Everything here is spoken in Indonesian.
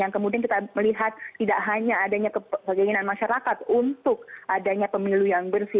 yang kemudian kita melihat tidak hanya adanya keinginan masyarakat untuk adanya pemilu yang bersih